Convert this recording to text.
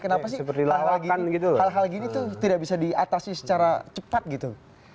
kenapa sih hal hal gini tuh tidak bisa diatasi secara cepat gitu